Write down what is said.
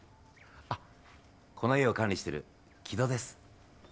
この家を管理している木戸です。